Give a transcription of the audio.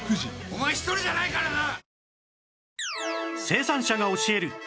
生産者が教える！